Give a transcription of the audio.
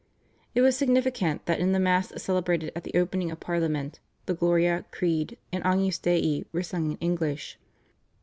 It was significant that in the Mass celebrated at the opening of Parliament the /Gloria/, Creed, and /Agnus Dei/ were sung in English.